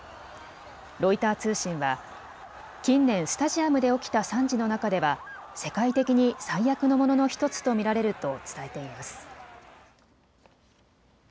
ロイター通信は近年スタジアムで起きた惨事の中では世界的に最悪のものの１つと見られると伝えています。